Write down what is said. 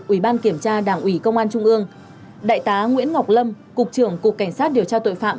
ủy ban kiểm tra đảng ủy công an trung ương đại tá nguyễn ngọc lâm cục trưởng cục cảnh sát điều tra tội phạm